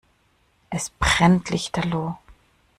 Es brennt lichterloh.